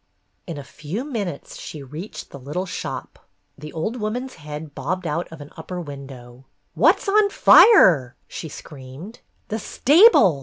In a few minutes she reached the little shop ; the old woman's head bobbed out of an upper window. "What 's on fire ?" she screamed. "The stable!"